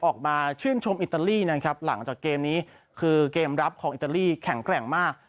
ออกมาชื่นชมอิตาลีนะครับหลังจากเกมนี้คือเกมรับของอิตาลีแข็งแกร่งมาก